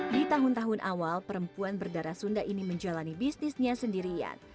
di tahun tahun awal perempuan berdarah sunda ini menjalani bisnisnya sendirian